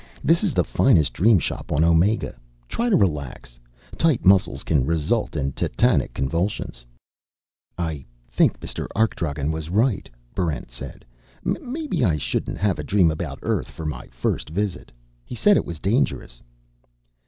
"This is the finest Dream Shop on Omega. Try to relax. Tight muscles can result in tetanic convulsions." "I think Mr. Arkdragen was right," Barrent said. "Maybe I shouldn't have a dream about Earth for my first visit. He said it was dangerous."